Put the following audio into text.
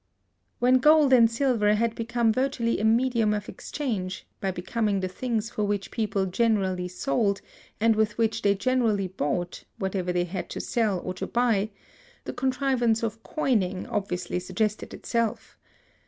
When gold and silver had become virtually a medium of exchange, by becoming the things for which people generally sold, and with which they generally bought, whatever they had to sell or to buy, the contrivance of coining obviously suggested itself.